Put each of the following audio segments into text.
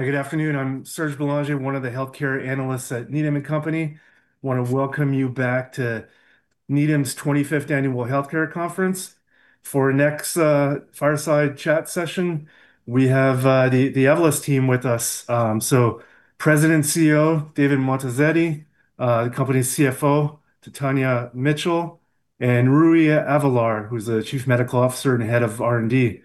Good afternoon. I'm Serge Belanger, one of the healthcare analysts at Needham & Company. Want to welcome you back to Needham's 25th Annual Healthcare Conference. For our next fireside chat session, we have the Evolus team with us, President and CEO, David Moatazedi, the company's CFO, Tatjana Mitchell, and Rui Avelar, who's the Chief Medical Officer and Head of R&D.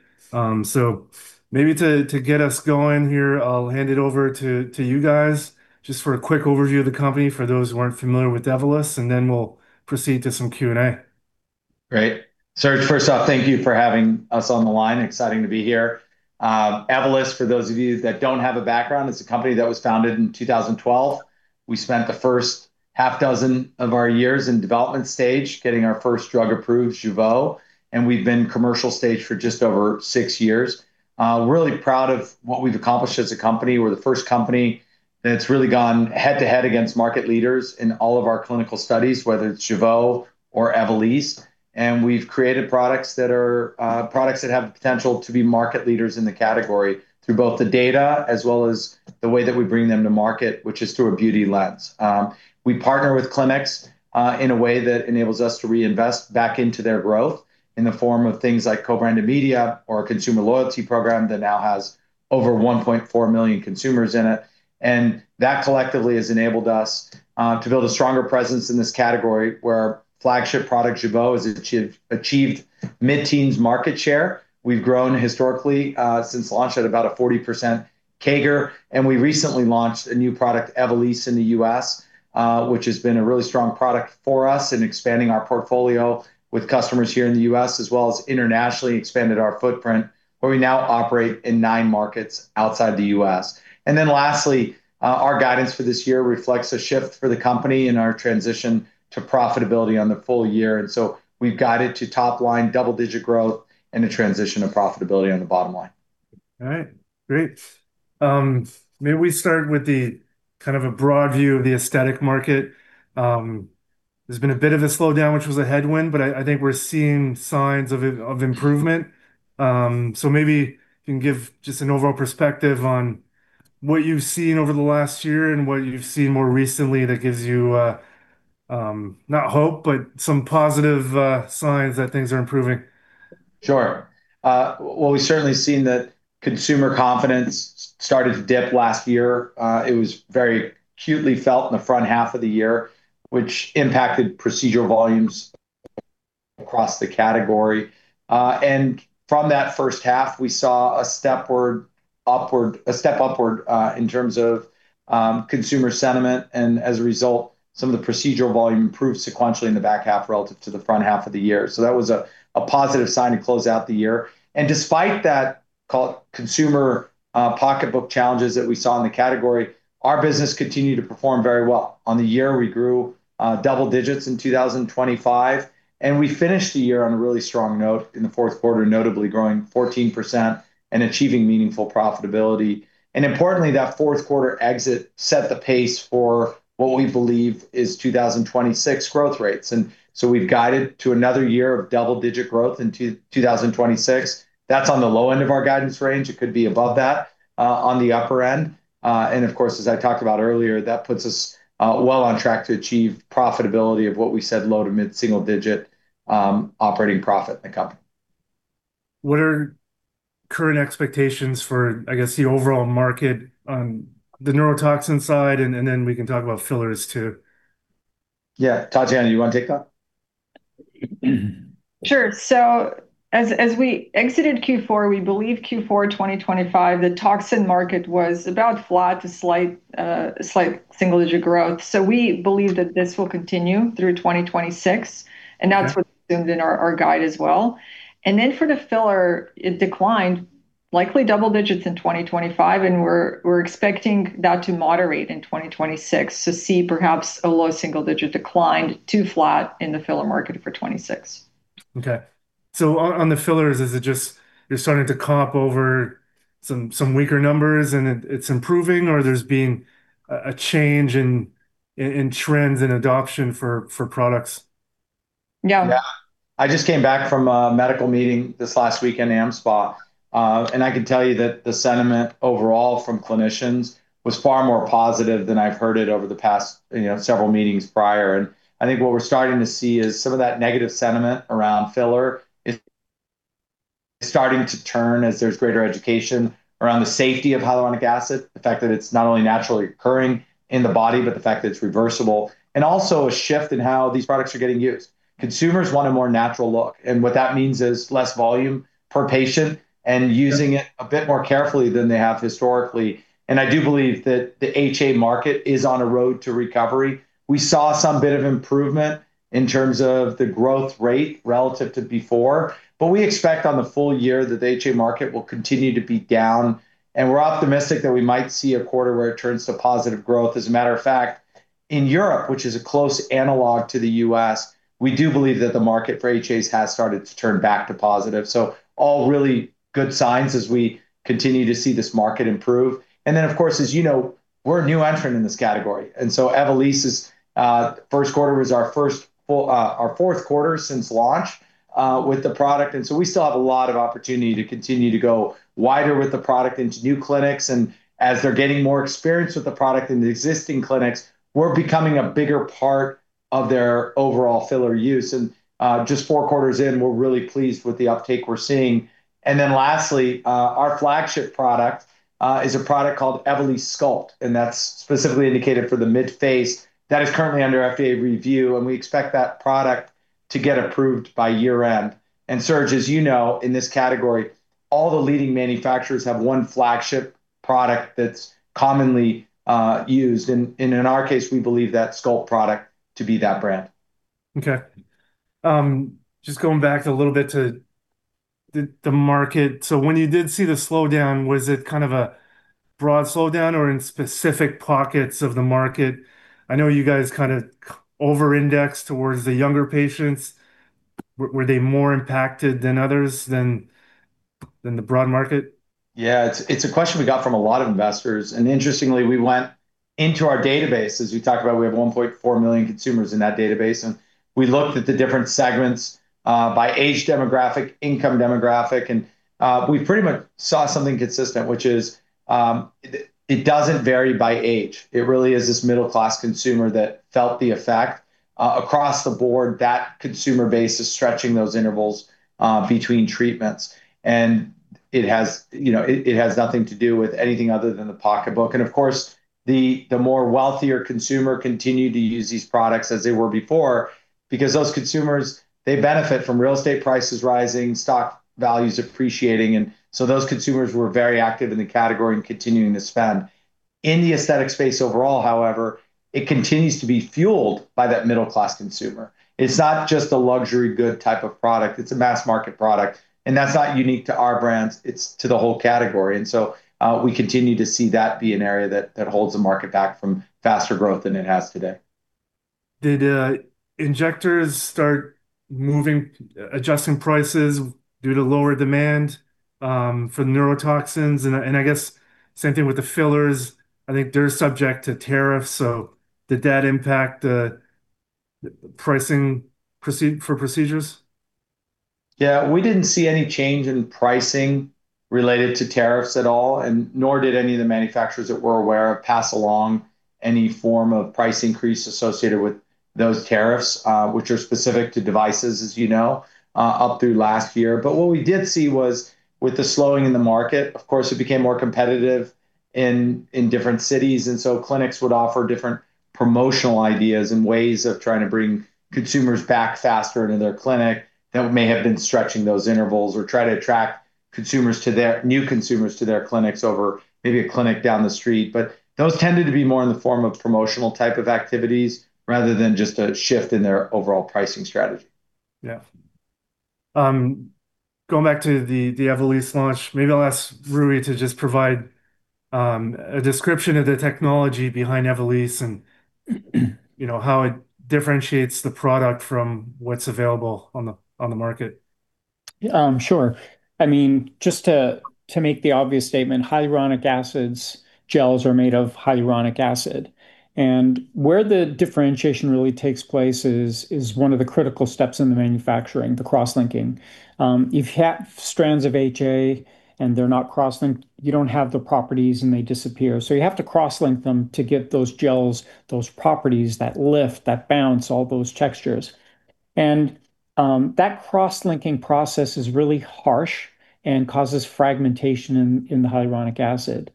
Maybe to get us going here, I'll hand it over to you guys just for a quick overview of the company for those who aren't familiar with Evolus, and then we'll proceed to some Q&A. Great. Serge, first off, thank you for having us on the line. It's exciting to be here. Evolus, for those of you that don't have a background, it's a company that was founded in 2012. We spent the first half dozen of our years in development stage getting our first drug approved, Jeuveau, and we've been commercial stage for just over six years. We're really proud of what we've accomplished as a company. We're the first company that's really gone head-to-head against market leaders in all of our clinical studies, whether it's Jeuveau or Evolysse, and we've created products that have the potential to be market leaders in the category through both the data as well as the way that we bring them to market, which is through a beauty lens. We partner with clinics in a way that enables us to reinvest back into their growth in the form of things like co-branded media or a consumer loyalty program that now has over 1.4 million consumers in it. That collectively has enabled us to build a stronger presence in this category where our flagship product, Jeuveau, has achieved mid-teens market share. We've grown historically since launch at about a 40% CAGR, and we recently launched a new product, Evolysse, in the U.S., which has been a really strong product for us in expanding our portfolio with customers here in the U.S. as well as internationally expanded our footprint, where we now operate in nine markets outside the U.S. Lastly, our guidance for this year reflects a shift for the company in our transition to profitability on the full year, and so we've guided to top-line double-digit growth and a transition to profitability on the bottom line. All right. Great. Maybe we start with the kind of a broad view of the aesthetic market. There's been a bit of a slowdown, which was a headwind, but I think we're seeing signs of improvement. Maybe you can give just an overall perspective on what you've seen over the last year and what you've seen more recently that gives you, not hope, but some positive signs that things are improving. Sure. Well, we've certainly seen that consumer confidence started to dip last year. It was very acutely felt in the front half of the year, which impacted procedural volumes across the category. And from that first half, we saw a step upward in terms of consumer sentiment and as a result, some of the procedural volume improved sequentially in the back half relative to the front half of the year. So that was a positive sign to close out the year. And despite that consumer pocketbook challenges that we saw in the category, our business continued to perform very well. On the year, we grew double digits in 2025, and we finished the year on a really strong note in the fourth quarter, notably growing 14% and achieving meaningful profitability. And importantly, that fourth quarter exit set the pace for what we believe is 2026 growth rates. We've guided to another year of double-digit growth in 2026. That's on the low end of our guidance range. It could be above that on the upper end. Of course, as I talked about earlier, that puts us well on track to achieve profitability of what we said low to mid-single digit operating profit in the company. What are current expectations for, I guess, the overall market on the neurotoxin side, and then we can talk about fillers, too? Yeah. Tatjana, you want to take that? Sure. As we exited Q4, we believe Q4 2025, the toxin market was about flat to slight single-digit growth. We believe that this will continue through 2026, and that's what's assumed in our guide as well. For the filler, it declined likely double digits in 2025, and we're expecting that to moderate in 2026 to see perhaps a low single-digit decline to flat in the filler market for 2026. Okay. On the fillers, is it just you're starting to comp over some weaker numbers and it's improving, or there's been a change in trends in adoption for products? Yeah. Yeah, I just came back from a medical meeting this last week in AmSpa, and I can tell you that the sentiment overall from clinicians was far more positive than I've heard it over the past several meetings prior. I think what we're starting to see is some of that negative sentiment around filler is starting to turn as there's greater education around the safety of hyaluronic acid, the fact that it's not only naturally occurring in the body, but the fact that it's reversible, and also a shift in how these products are getting used. Consumers want a more natural look, and what that means is less volume per patient and using it a bit more carefully than they have historically. I do believe that the HA market is on a road to recovery. We saw some bit of improvement in terms of the growth rate relative to before, but we expect on the full year that the HA market will continue to be down. We're optimistic that we might see a quarter where it turns to positive growth. As a matter of fact, in Europe, which is a close analog to the U.S., we do believe that the market for HAs has started to turn back to positive. All really good signs as we continue to see this market improve. Of course, as you know, we're a new entrant in this category, and so Evolysse's first quarter was our fourth quarter since launch with the product. We still have a lot of opportunity to continue to go wider with the product into new clinics. As they're getting more experience with the product in the existing clinics, we're becoming a bigger part of their overall filler use. Just four quarters in, we're really pleased with the uptake we're seeing. Lastly, our flagship product is a product called Evolysse Sculpt, and that's specifically indicated for the mid-face. That is currently under FDA review, and we expect that product to get approved by year-end. Serge, as you know, in this category, all the leading manufacturers have one flagship product that's commonly used. In our case, we believe that Sculpt product to be that brand. Okay, just going back a little bit to the market, when you did see the slowdown, was it kind of a broad slowdown or in specific pockets of the market? I know you guys kind of over-index towards the younger patients. Were they more impacted than others, than the broad market? Yeah. It's a question we got from a lot of investors. Interestingly, we went into our database, as we talked about, we have 1.4 million consumers in that database, and we looked at the different segments, by age demographic, income demographic, and we pretty much saw something consistent, which is, it doesn't vary by age. It really is this middle-class consumer that felt the effect. Across the board, that consumer base is stretching those intervals between treatments. It has nothing to do with anything other than the pocketbook. Of course, the more wealthier consumer continued to use these products as they were before because those consumers, they benefit from real estate prices rising, stock values appreciating, and so those consumers were very active in the category and continuing to spend. In the aesthetic space overall, however, it continues to be fueled by that middle-class consumer. It's not just a luxury good type of product. It's a mass-market product, and that's not unique to our brands, it's to the whole category. We continue to see that be an area that holds the market back from faster growth than it has today. Did the injectors start adjusting prices due to lower demand for the neurotoxins? I guess same thing with the fillers, I think they're subject to tariffs, so did that impact the pricing for procedures? Yeah. We didn't see any change in pricing related to tariffs at all, and nor did any of the manufacturers that we're aware of pass along any form of price increase associated with those tariffs, which are specific to devices as you know, up through last year. What we did see was with the slowing in the market, of course, it became more competitive in different cities, and so clinics would offer different promotional ideas and ways of trying to bring consumers back faster into their clinic that may have been stretching those intervals or try to attract new consumers to their clinics over maybe a clinic down the street. Those tended to be more in the form of promotional type of activities rather than just a shift in their overall pricing strategy. Yeah. Going back to the Evolysse launch, maybe I'll ask Rui to just provide a description of the technology behind Evolysse and how it differentiates the product from what's available on the market. Sure. Just to make the obvious statement, hyaluronic acid gels are made of hyaluronic acid, and where the differentiation really takes place is one of the critical steps in the manufacturing, the cross-linking. If you have strands of HA and they're not cross-linked, you don't have the properties, and they disappear. You have to cross-link them to give those gels those properties, that lift, that bounce, all those textures. That cross-linking process is really harsh and causes fragmentation in the hyaluronic acid.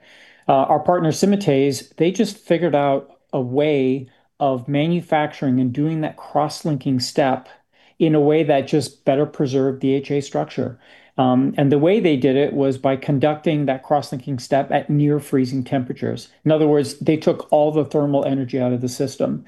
Our partner, Symatese, they just figured out a way of manufacturing and doing that cross-linking step in a way that just better preserved the HA structure. The way they did it was by conducting that cross-linking step at near freezing temperatures. In other words, they took all the thermal energy out of the system.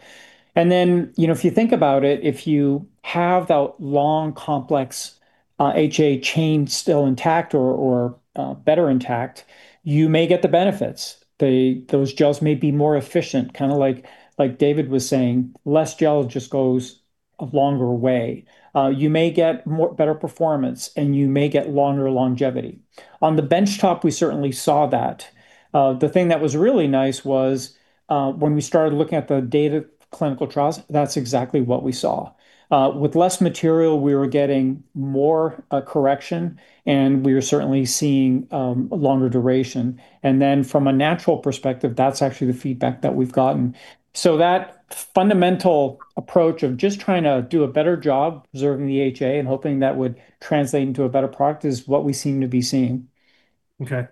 If you think about it, if you have that long, complex HA chain still intact or better intact, you may get the benefits. Those gels may be more efficient, kind of like David was saying. Less gel just goes a longer way. You may get better performance, and you may get longer longevity. On the benchtop, we certainly saw that. The thing that was really nice was, when we started looking at the data clinical trials, that's exactly what we saw. With less material, we were getting more correction, and we were certainly seeing longer duration. From a natural perspective, that's actually the feedback that we've gotten. That fundamental approach of just trying to do a better job preserving the HA and hoping that would translate into a better product is what we seem to be seeing. Okay.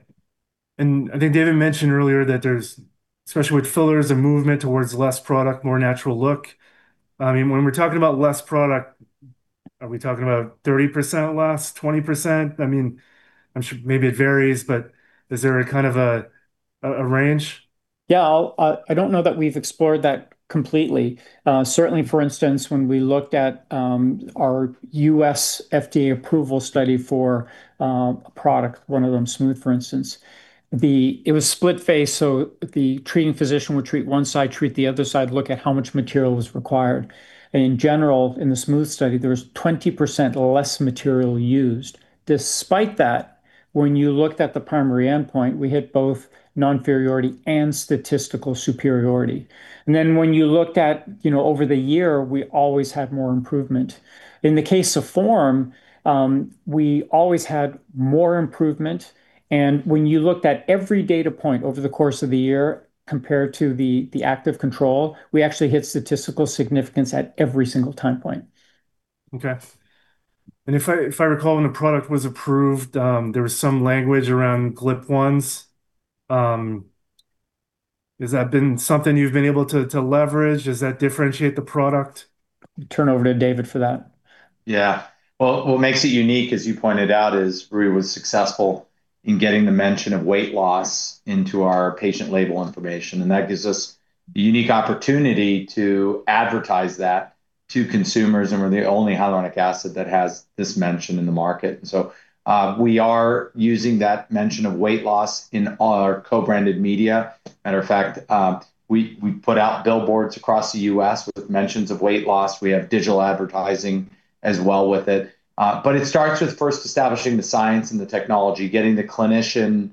I think David mentioned earlier that there's, especially with fillers, a movement towards less product, more natural look. When we're talking about less product, are we talking about 30% less, 20%? I'm sure maybe it varies, but is there a kind of a range? Yeah. I don't know that we've explored that completely. Certainly, for instance, when we looked at our U.S. FDA approval study for a product, one of them, Smooth, for instance, it was split-face, so the treating physician would treat one side, treat the other side, look at how much material was required. In general, in the Smooth study, there was 20% less material used. Despite that, when you looked at the primary endpoint, we hit both non-inferiority and statistical superiority. When you looked at over the year, we always had more improvement. In the case of Form, we always had more improvement, and when you looked at every data point over the course of the year compared to the active control, we actually hit statistical significance at every single time point. Okay. If I recall, when the product was approved, there was some language around GLP-1s. Has that been something you've been able to leverage? Does that differentiate the product? Turn over to David for that. Yeah. Well, what makes it unique, as you pointed out, is Rui was successful in getting the mention of weight loss into our patient label information, and that gives us the unique opportunity to advertise that to consumers, and we're the only hyaluronic acid that has this mention in the market. We are using that mention of weight loss in our co-branded media. Matter of fact, we put out billboards across the U.S. with mentions of weight loss. We have digital advertising as well with it. It starts with first establishing the science and the technology, getting the clinician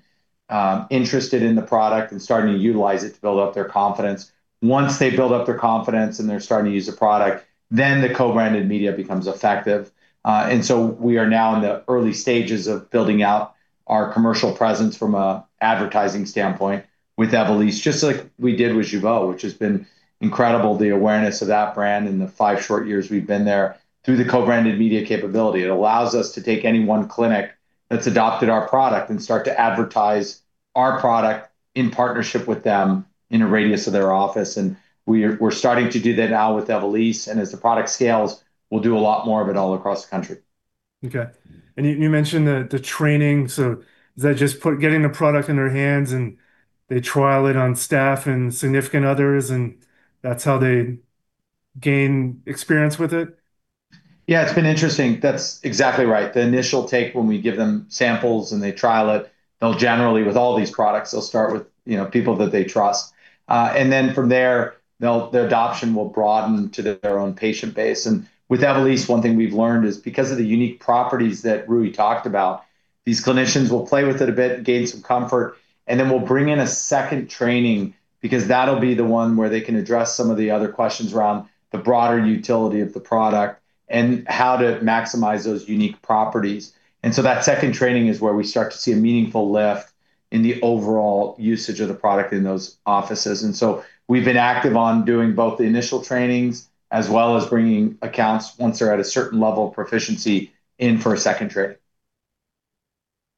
interested in the product and starting to utilize it to build up their confidence. Once they build up their confidence and they're starting to use the product, then the co-branded media becomes effective. We are now in the early stages of building out our commercial presence from an advertising standpoint with Evolysse, just like we did with Jeuveau, which has been incredible, the awareness of that brand in the five short years we've been there through the co-branded media capability. It allows us to take any one clinic that's adopted our product and start to advertise our product in partnership with them in a radius of their office. We're starting to do that now with Evolysse, and as the product scales, we'll do a lot more of it all across the country. Okay. You mentioned the training. Is that just getting the product in their hands, and they trial it on staff and significant others, and that's how they gain experience with it? Yeah, it's been interesting. That's exactly right. The initial take when we give them samples and they trial it, they'll generally, with all these products, they'll start with people that they trust. And then from there, their adoption will broaden to their own patient base. And with Evolysse, one thing we've learned is because of the unique properties that Rui talked about, these clinicians will play with it a bit, gain some comfort, and then we'll bring in a second training because that'll be the one where they can address some of the other questions around the broader utility of the product and how to maximize those unique properties. And so that second training is where we start to see a meaningful lift in the overall usage of the product in those offices. We've been active on doing both the initial trainings as well as bringing accounts once they're at a certain level of proficiency in for a second training.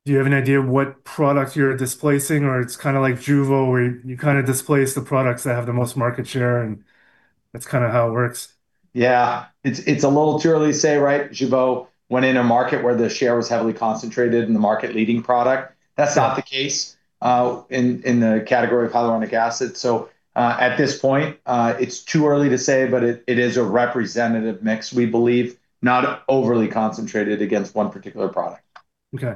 Do you have an idea of what product you're displacing, or it's kind of like Jeuveau, where you kind of displace the products that have the most market share, and that's kind of how it works? Yeah. It's a little too early to say, right? Jeuveau went in a market where the share was heavily concentrated in the market-leading product. That's not the case in the category of hyaluronic acid. At this point, it's too early to say, but it is a representative mix, we believe, not overly concentrated against one particular product. Okay.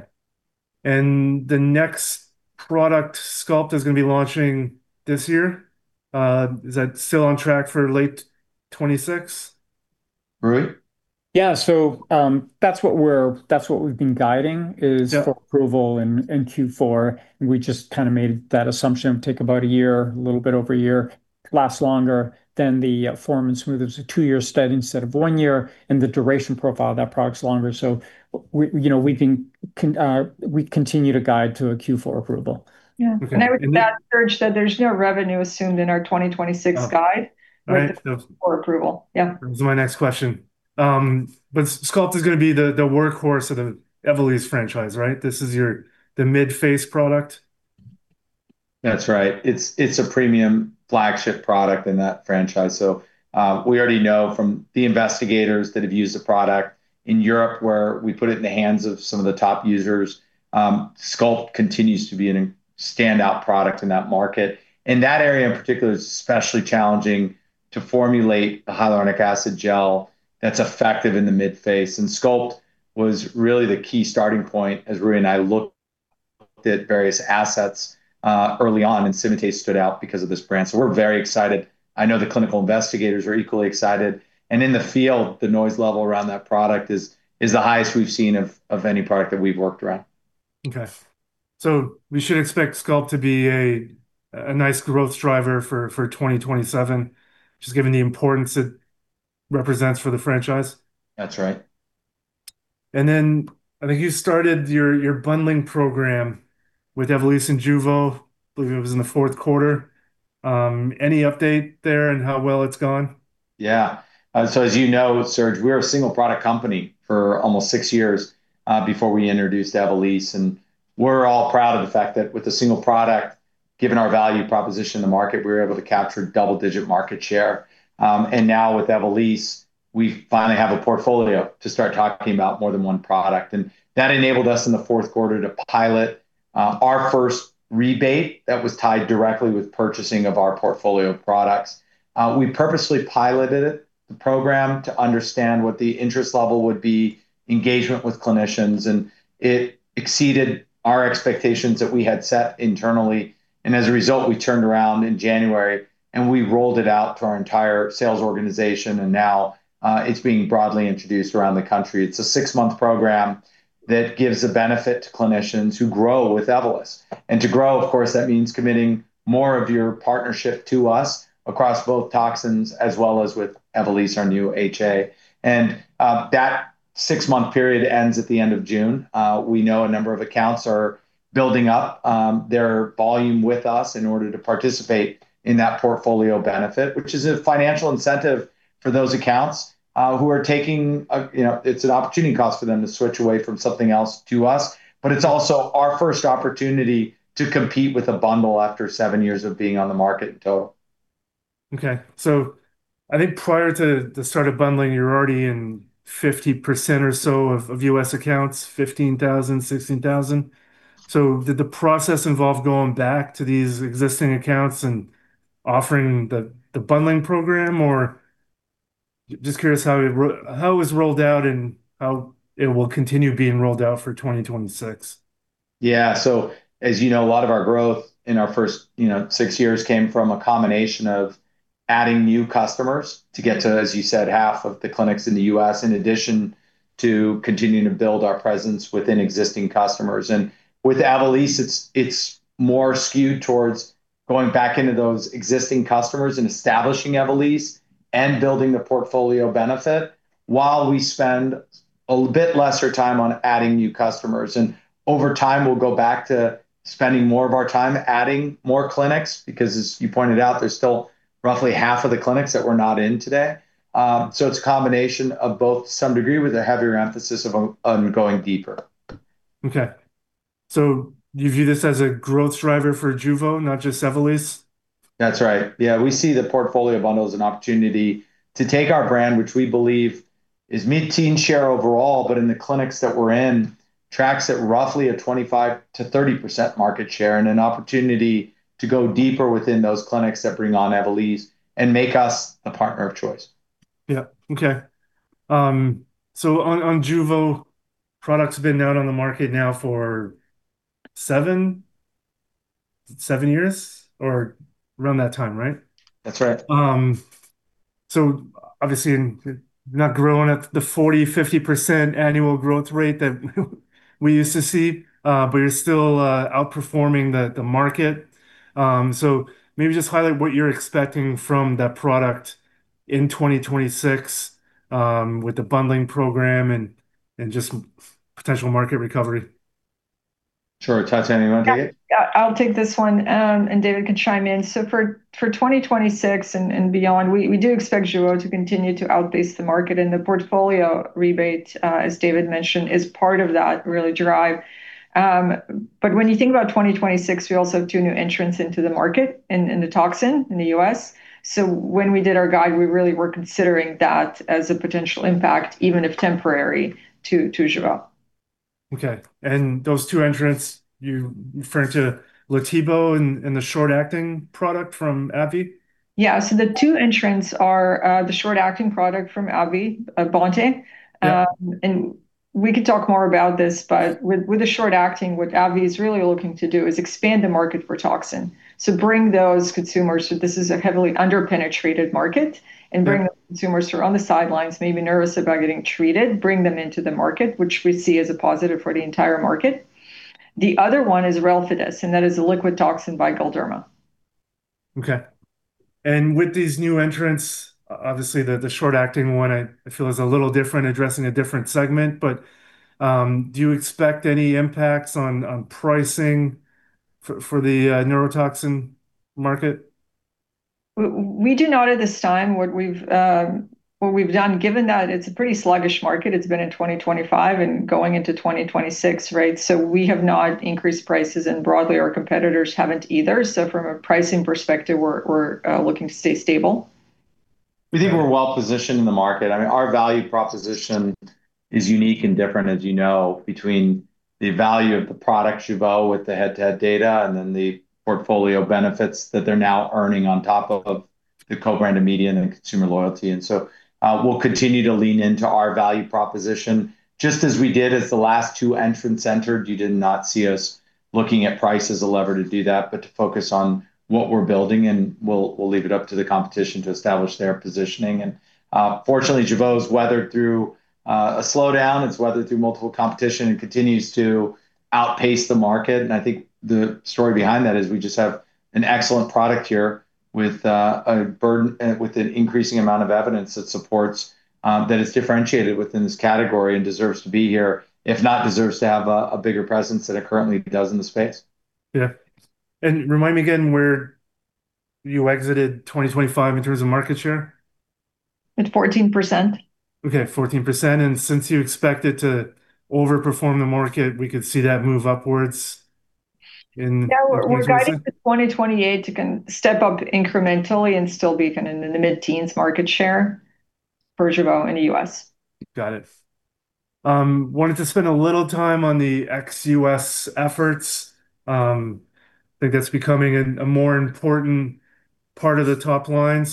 The next product, Sculpt, is going to be launching this year. Is that still on track for late 2026? Rui? Yeah. That's what we've been guiding. Yeah. Is for approval in Q4. We just kind of made that assumption take about a year, a little bit over a year, last longer than the Form and Smooth. It's a two-year study instead of one year, and the duration profile of that product's longer. We continue to guide to a Q4 approval. Yeah. Okay. I would add, Serge, that there's no revenue assumed in our 2026 guide. Right. Before approval. Yeah. That was my next question. But Sculpt is going to be the workhorse of the Evolysse franchise, right? This is your mid-face product? That's right. It's a premium flagship product in that franchise. We already know from the investigators that have used the product in Europe, where we put it in the hands of some of the top users, Sculpt continues to be a standout product in that market. That area, in particular, is especially challenging to formulate a hyaluronic acid gel that's effective in the mid-face. Sculpt was really the key starting point as Rui and I looked at various assets early on, and Symatese stood out because of this brand. We're very excited. I know the clinical investigators are equally excited. In the field, the noise level around that product is the highest we've seen of any product that we've worked around. Okay. So we should expect Sculpt to be a nice growth driver for 2027, just given the importance it represents for the franchise? That's right. I think you started your bundling program with Evolysse and Jeuveau, I believe it was in the fourth quarter. Any update there on how well it's gone? Yeah. As you know, Serge, we're a single-product company for almost six years before we introduced Evolysse. We're all proud of the fact that with a single product, given our value proposition in the market, we were able to capture double-digit market share. Now with Evolysse, we finally have a portfolio to start talking about more than one product. That enabled us in the fourth quarter to pilot our first rebate that was tied directly with purchasing of our portfolio of products. We purposely piloted the program to understand what the interest level would be, engagement with clinicians, and it exceeded our expectations that we had set internally. As a result, we turned around in January and we rolled it out to our entire sales organization, and now it's being broadly introduced around the country. It's a six-month program that gives a benefit to clinicians who grow with Evolus. To grow, of course, that means committing more of your partnership to us across both toxins as well as with Evolysse, our new HA. That six-month period ends at the end of June. We know a number of accounts are building up their volume with us in order to participate in that portfolio benefit, which is a financial incentive for those accounts. It's an opportunity cost for them to switch away from something else to us, but it's also our first opportunity to compete with a bundle after seven years of being on the market in total. Okay. I think prior to the start of bundling, you're already in 50% or so of U.S. accounts, 15,000, 16,000. Did the process involve going back to these existing accounts and offering the bundling program, or? Just curious how it was rolled out and how it will continue being rolled out for 2026. Yeah. As you know, a lot of our growth in our first six years came from a combination of adding new customers to get to, as you said, half of the clinics in the U.S., in addition to continuing to build our presence within existing customers. With Evolysse, it's more skewed towards going back into those existing customers and establishing Evolysse and building the portfolio benefit while we spend a bit lesser time on adding new customers. Over time, we'll go back to spending more of our time adding more clinics, because, as you pointed out, there's still roughly half of the clinics that we're not in today. It's a combination of both to some degree, with a heavier emphasis on going deeper. Okay. You view this as a growth driver for Jeuveau, not just Evolysse? That's right. Yeah. We see the portfolio bundle as an opportunity to take our brand, which we believe is mid-teen share overall, but in the clinics that we're in, tracks at roughly a 25%-30% market share, and an opportunity to go deeper within those clinics that bring on Evolysse and make us the partner of choice. Yeah. Okay. On Jeuveau, the product's been out on the market now for seven years or around that time, right? That's right. Obviously not growing at the 40%-50% annual growth rate that we used to see, but you're still outperforming the market. Maybe just highlight what you're expecting from that product in 2026, with the bundling program and just potential market recovery. Sure. Tatjana, you want to take it? Yeah, I'll take this one, and David can chime in. For 2026 and beyond, we do expect Jeuveau to continue to outpace the market. The portfolio rebate, as David mentioned, is part of that really drive. When you think about 2026, we also have two new entrants into the market in the toxin in the U.S. When we did our guide, we really were considering that as a potential impact, even if temporary, to Jeuveau. Okay. Those two entrants, you're referring to Letybo and the short-acting product from AbbVie? Yeah. The two entrants are the short-acting product from AbbVie, TrenibotE. Yeah. We could talk more about this, but with the short-acting, what AbbVie is really looking to do is expand the market for toxin. Bring those consumers, so this is a heavily under-penetrated market, and bring the consumers who are on the sidelines, maybe nervous about getting treated, bring them into the market, which we see as a positive for the entire market. The other one is Relfydess, and that is a liquid toxin by Galderma. Okay. With these new entrants, obviously the short-acting one I feel is a little different, addressing a different segment, but do you expect any impacts on pricing for the neurotoxin market? We do not at this time. What we've done, given that it's a pretty sluggish market, it's been in 2025 and going into 2026, right? We have not increased prices, and broadly, our competitors haven't either. From a pricing perspective, we're looking to stay stable. We think we're well-positioned in the market. Our value proposition is unique and different, as you know, between the value of the product, Jeuveau, with the head-to-head data and then the portfolio benefits that they're now earning on top of the co-branded media and the consumer loyalty. We'll continue to lean into our value proposition, just as we did as the last two entrants entered. You did not see us looking at price as a lever to do that, but to focus on what we're building, and we'll leave it up to the competition to establish their positioning. Fortunately, Jeuveau's weathered through a slowdown. It's weathered through multiple competition and continues to outpace the market. I think the story behind that is we just have an excellent product here with an increasing amount of evidence that supports that it's differentiated within this category and deserves to be here, if not deserves to have a bigger presence than it currently does in the space. Yeah. Remind me again where you exited 2025 in terms of market share. At 14%. Okay, 14%. Since you expect it to overperform the market, we could see that move upwards in the future? Yeah, we're guiding for 2028 to step up incrementally and still be in the mid-teens market share for Jeuveau in the U.S. Got it. I wanted to spend a little time on the ex-U.S. efforts. I think that's becoming a more important part of the top line.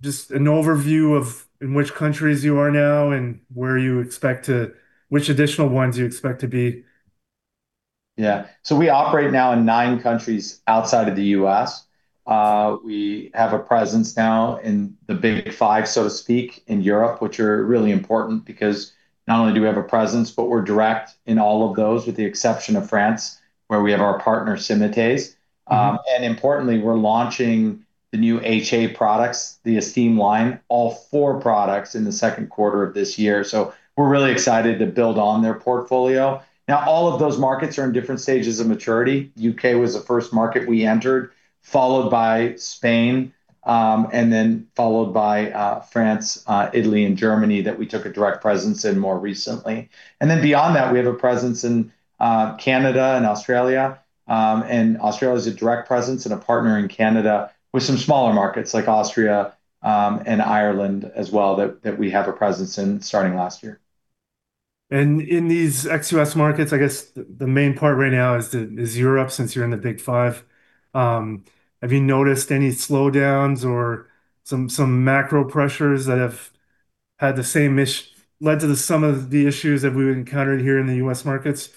Just an overview of in which countries you are now and which additional ones you expect to be. Yeah. We operate now in nine countries outside of the U.S. We have a presence now in the Big Five, so to speak, in Europe, which are really important because not only do we have a presence, but we're direct in all of those, with the exception of France, where we have our partner, Symatese Mm-hmm. Importantly, we're launching the new HA products, the Estyme line, all four products in the second quarter of this year. We're really excited to build on their portfolio. Now, all of those markets are in different stages of maturity. U.K. was the first market we entered, followed by Spain, and then followed by France, Italy, and Germany that we took a direct presence in more recently. Beyond that, we have a presence in Canada and Australia. Australia is a direct presence and a partner in Canada with some smaller markets like Austria, and Ireland as well that we have a presence in starting last year. In these ex-U.S. markets, I guess the main part right now is Europe, since you're in the Big Five. Have you noticed any slowdowns or some macro pressures that have led to some of the issues that we've encountered here in the U.S. markets?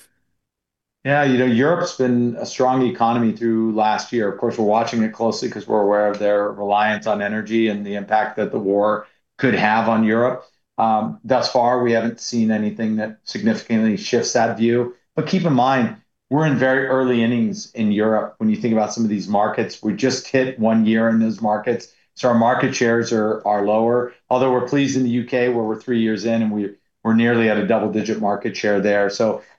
Yeah. Europe's been a strong economy through last year. Of course, we're watching it closely because we're aware of their reliance on energy and the impact that the war could have on Europe. Thus far, we haven't seen anything that significantly shifts that view. Keep in mind, we're in very early innings in Europe when you think about some of these markets. We just hit one year in those markets, so our market shares are lower. Although we're pleased in the U.K., where we're three years in, and we're nearly at a double-digit market share there.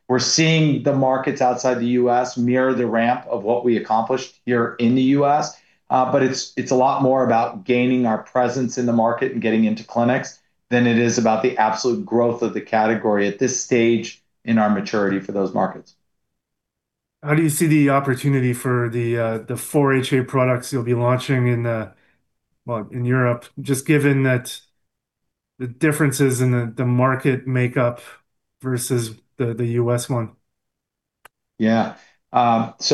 We're seeing the markets outside the U.S. mirror the ramp of what we accomplished here in the U.S., but it's a lot more about gaining our presence in the market and getting into clinics than it is about the absolute growth of the category at this stage in our maturity for those markets. How do you see the opportunity for the four HA products you'll be launching in Europe, just given that the differences in the market makeup versus the U.S. one? Yeah. That's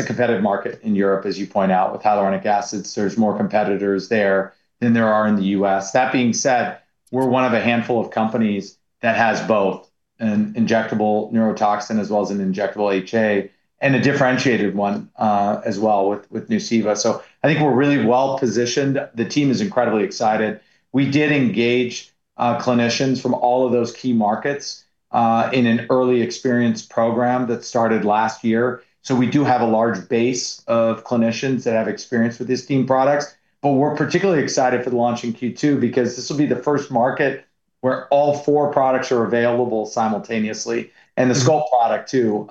a competitive market in Europe, as you point out, with hyaluronic acids. There's more competitors there than there are in the U.S. That being said, we're one of a handful of companies that has both an injectable neurotoxin as well as an injectable HA and a differentiated one as well with Nuceiva. I think we're really well-positioned. The team is incredibly excited. We did engage clinicians from all of those key markets in an early experience program that started last year. We do have a large base of clinicians that have experience with Estyme products, but we're particularly excited for the launch in Q2 because this will be the first market where all four products are available simultaneously and the Sculpt product too.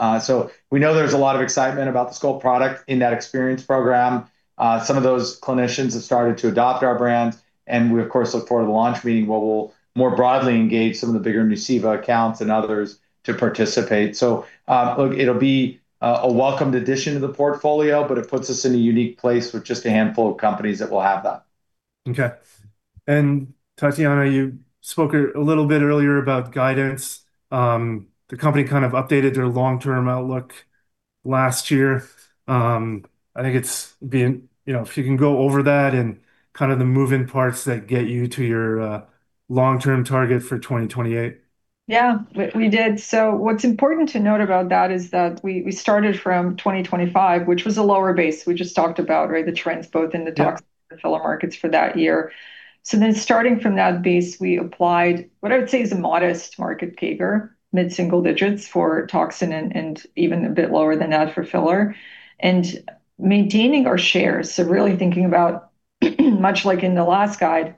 We know there's a lot of excitement about the Sculpt product in that experience program. Some of those clinicians have started to adopt our brand, and we of course look forward to the launch, being what will more broadly engage some of the bigger Nuceiva accounts and others to participate. Look, it'll be a welcomed addition to the portfolio, but it puts us in a unique place with just a handful of companies that will have that. Okay. Tatjana, you spoke a little bit earlier about guidance. The company kind of updated their long-term outlook last year. If you can go over that and kind of the moving parts that get you to your long-term target for 2028. Yeah, we did. What's important to note about that is that we started from 2025, which was a lower base. We just talked about, right, the trends both in the toxin. Yeah. Filler markets for that year. Starting from that base, we applied what I would say is a modest market CAGR, mid-single digits for toxin, and even a bit lower than that for filler. Maintaining our shares, so really thinking about much like in the last guide,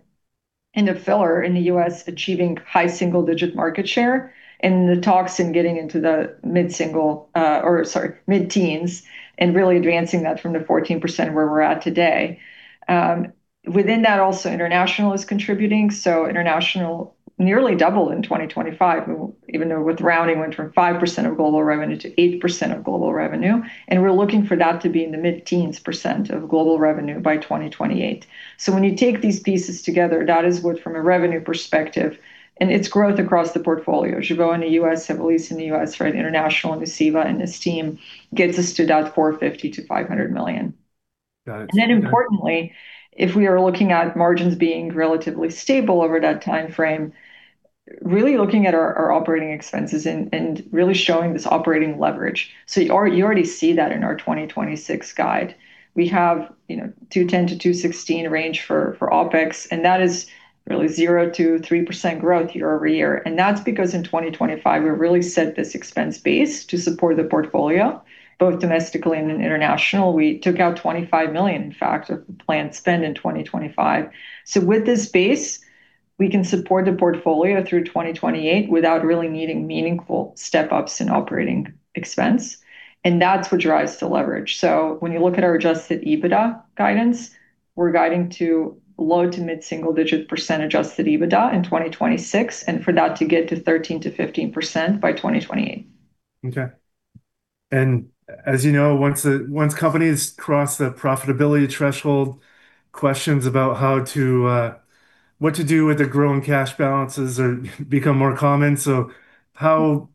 in the filler in the U.S., achieving high single-digit market share and the toxin getting into the mid-teens and really advancing that from the 14% where we're at today. Within that also, international is contributing, so international nearly doubled in 2025, even though with rounding, went from 5% of global revenue to 8% of global revenue. We're looking for that to be in the mid-teens percent of global revenue by 2028. When you take these pieces together, that is what from a revenue perspective, and it's growth across the portfolio. Jeuveau in the U.S., Evolysse in the U.S., right, international, Nuceiva, and Estyme gets us to that $450 million-$500 million. Got it Importantly, if we are looking at margins being relatively stable over that timeframe, really looking at our operating expenses and really showing this operating leverage. You already see that in our 2026 guide. We have $210 million-$216 million range for OpEx, and that is really 0%-3% growth year-over-year. That's because in 2025, we really set this expense base to support the portfolio, both domestically and in international. We took out $25 million, in fact, of the planned spend in 2025. With this base, we can support the portfolio through 2028 without really needing meaningful step-ups in operating expense. That's what drives the leverage. When you look at our adjusted EBITDA guidance, we're guiding to low to mid-single-digit percent adjusted EBITDA in 2026, and for that to get to 13%-15% by 2028. Okay. As you know, once companies cross the profitability threshold, questions about what to do with their growing cash balances become more common. How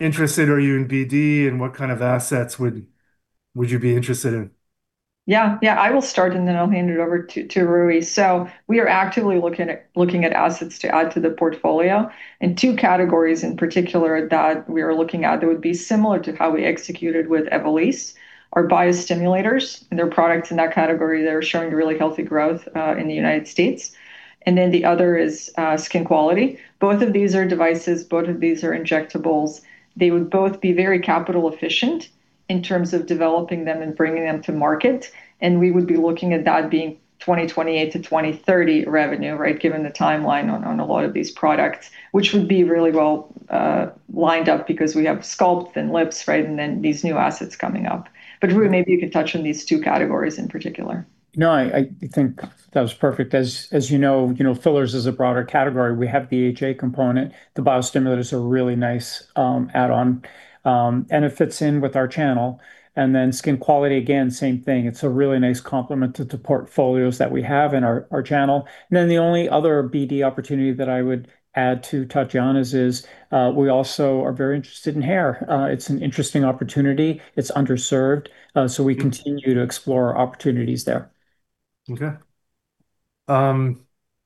interested are you in BD, and what kind of assets would you be interested in? Yeah. I will start, and then I'll hand it over to Rui. We are actively looking at assets to add to the portfolio, and two categories in particular that we are looking at that would be similar to how we executed with Evolysse are biostimulators and their products in that category that are showing really healthy growth in the United States. The other is skin quality. Both of these are devices. Both of these are injectables. They would both be very capital efficient in terms of developing them and bringing them to market, and we would be looking at that being 2028-2030 revenue, right, given the timeline on a lot of these products, which would be really well lined up because we have Sculpt and Lips, right, and then these new assets coming up. Rui, maybe you could touch on these two categories in particular. No, I think that was perfect. As you know, fillers is a broader category. We have the HA component. The biostimulator's a really nice add-on, and it fits in with our channel. Skin quality, again, same thing. It's a really nice complement to the portfolios that we have in our channel. The only other BD opportunity that I would add to Tatjana's is we also are very interested in hair. It's an interesting opportunity. It's underserved, so we continue to explore opportunities there. Okay,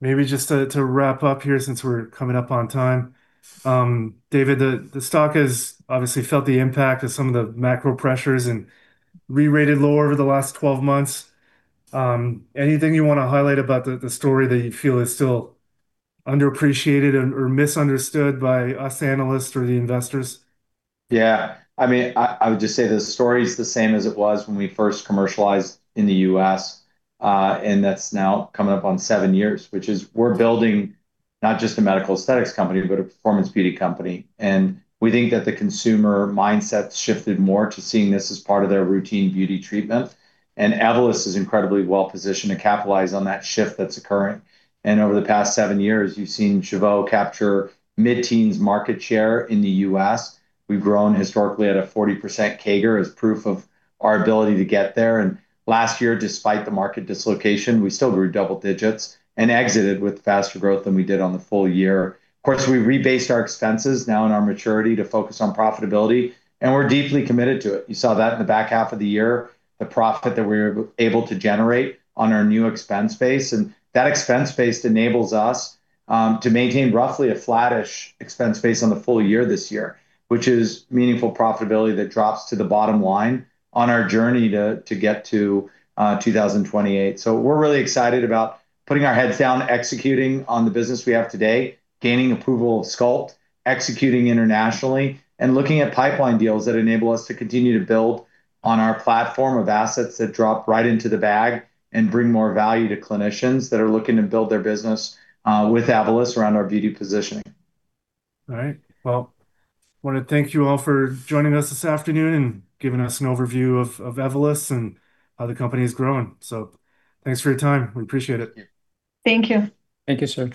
maybe just to wrap up here since we're coming up on time. David, the stock has obviously felt the impact of some of the macro pressures and re-rated lower over the last 12 months. Anything you want to highlight about the story that you feel is still underappreciated or misunderstood by us analysts or the investors? Yeah. I would just say the story's the same as it was when we first commercialized in the U.S., and that's now coming up on seven years, which is we're building not just a medical aesthetics company, but a performance beauty company. We think that the consumer mindset's shifted more to seeing this as part of their routine beauty treatment, and Evolus is incredibly well-positioned to capitalize on that shift that's occurring. Over the past seven years, you've seen Jeuveau capture mid-teens market share in the U.S. We've grown historically at a 40% CAGR as proof of our ability to get there. Last year, despite the market dislocation, we still grew double digits and exited with faster growth than we did on the full year. Of course, we rebased our expenses now in our maturity to focus on profitability, and we're deeply committed to it. You saw that in the back half of the year, the profit that we were able to generate on our new expense base, and that expense base enables us to maintain roughly a flattish expense base on the full year this year, which is meaningful profitability that drops to the bottom line on our journey to get to 2028. We're really excited about putting our heads down, executing on the business we have today, gaining approval of Sculpt, executing internationally, and looking at pipeline deals that enable us to continue to build on our platform of assets that drop right into the bag and bring more value to clinicians that are looking to build their business with Evolus around our beauty positioning. All right. Well, we want to thank you all for joining us this afternoon and giving us an overview of Evolus and how the company is growing. Thanks for your time. We appreciate it. Thank you. Thank you, Serge.